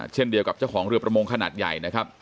เช่นเดียวกับเจ้าของเรือประมงขนาดใหญ่นะครับ